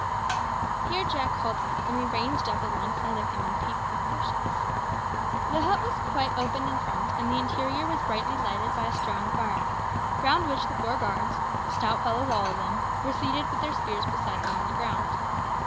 Here Jack halted, and we ranged up alongside of him and peeped through the bushes. The hut was quite open in front and the interior was brightly lighted by a strong fire, round which the four guards stout fellows all of them were seated with their spears beside them on the ground.